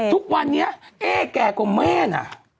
ทุกวันนี้เอ๊แก่กว่าแม่นะ